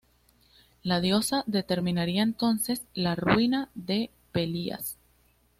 La diosa determinaría entonces la ruina de Pelias.